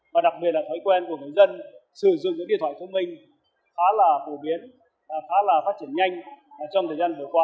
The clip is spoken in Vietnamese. và đặc biệt là thói quen của người dân sử dụng cái điện thoại thông minh khá là phổ biến khá là phát triển nhanh trong thời gian vừa qua